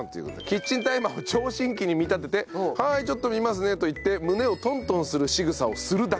キッチンタイマーを聴診器に見立てて「はーいちょっと診ますね」と言って胸をトントンするしぐさをするだけです。